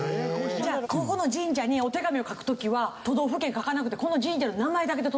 じゃあここの神社にお手紙を書く時は都道府県書かなくてこの神社の名前だけで届くんですか？